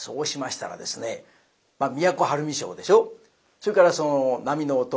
それからその波の音